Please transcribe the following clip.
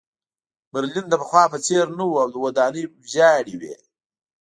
برلین د پخوا په څېر نه و او ودانۍ ویجاړې وې